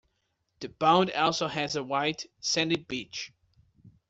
The pond also has a white sandy beach.